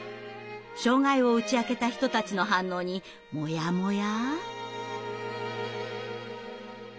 障害を打ち明けた人たちの反応にモヤモヤ。